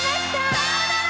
さよなら！